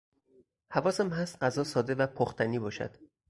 حواسم هست غذا ساده و پختنی باشد